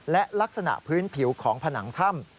และลักษณะพื้นผิวของผนังถ้ำ